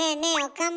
岡村。